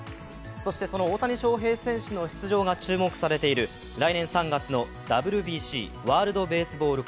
そしてその大谷翔平選手の出場が注目されている来年３月のＷＢＣ＝ワールドベースボール